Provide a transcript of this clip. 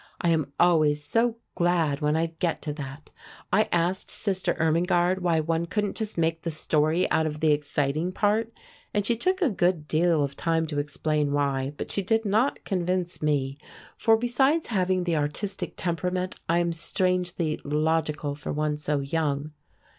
I am always so glad when I get to that. I asked Sister Irmingarde why one couldn't just make the story out of the exciting part, and she took a good deal of time to explain why, but she did not convince me; for besides having the artistic temperament I am strangely logical for one so young.